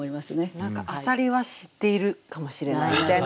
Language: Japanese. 何か浅蜊は知っているかもしれないみたいな。